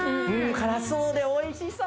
辛そうでおいしそう。